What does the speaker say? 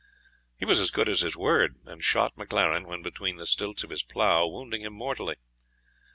He was as good as his word, and shot MacLaren when between the stilts of his plough, wounding him mortally.